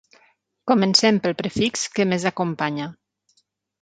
Comencem pel prefix que més acompanya.